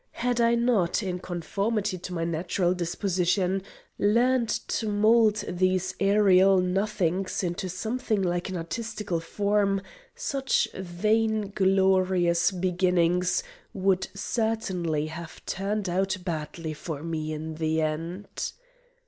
Had I not, in conformity to my natural disposition learned to mould these aëriel nothings into something like an artistical form, such vain glorious beginnings, would certainly have turned out badly for me in the end.